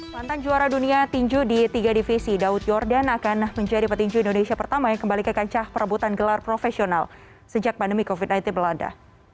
mantan juara dunia tinju di tiga divisi daud yordan akan menjadi petinju indonesia pertama yang kembali ke kancah perebutan gelar profesional sejak pandemi covid sembilan belas belanda